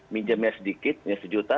minjamnya sedikit minjam sejuta